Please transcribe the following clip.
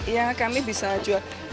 yang kami bisa jual